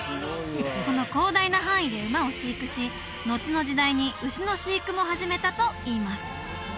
この広大な範囲で馬を飼育しのちの時代に牛の飼育も始めたといいます